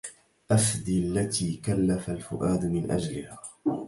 أفدي التي كلف الفؤاد من أجلها